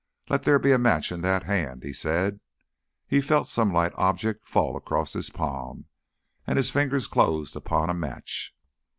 "Let there be a match in that hand," he said. He felt some light object fall across his palm, and his fingers closed upon a match.